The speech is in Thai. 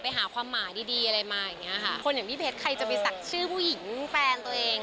อะไรมาอย่างเงี้ยค่ะคนอย่างพี่เพชรใครจะไปสักชื่อผู้หญิงแฟนตัวเอง